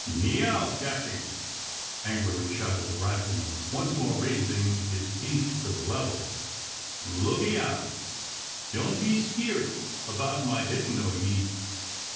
"Neow, capting!" angrily shouted the rifleman, once more raising his piece to the level, "look e' out! Don't be skeert abeout my hittin' o' ye!